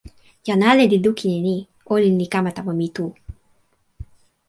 jan ale li lukin e ni: olin li kama tawa mi tu.